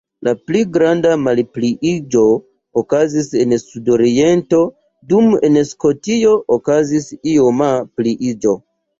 La pli granda malpliiĝo okazis en sudoriento, dum en Skotio okazis ioma pliiĝo.